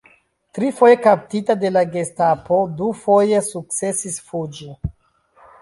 Trifoje kaptita de la gestapo, dufoje sukcesis fuĝi.